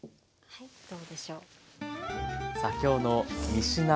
はいどうでしょう？